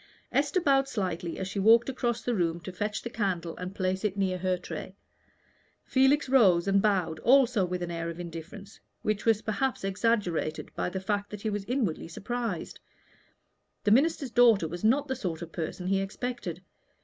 Esther bowed slightly as she walked across the room to fetch the candle and place it near her tray. Felix rose and bowed, also with an air of indifference, which was perhaps exaggerated by the fact that he was inwardly surprised. The minister's daughter was not the sort of person he expected.